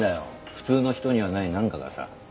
普通の人にはないなんかがさ。